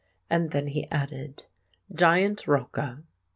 And then added—"Giant Rocca."